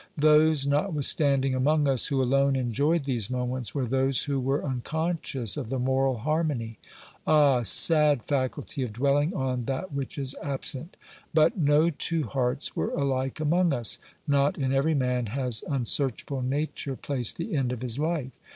Those notwithstanding among us who alone enjoyed these moments were those who were unconscious of the moral harmony. Ah, sad faculty of dwelling on that which is absent !... But no two hearts were alike among us. Not in every man has un searchable Nature placed the end of his life